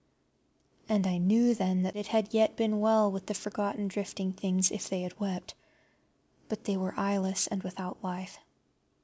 And I knew then that it had yet been well with the forgotten drifting things if they had wept, but they were eyeless and without life.